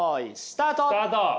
スタート。